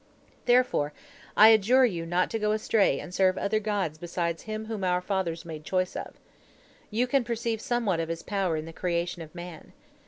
"Therefore I adjure you not to go astray and serve other gods beside Him whom our fathers made choice of. You can perceive somewhat of His power in the creation of man.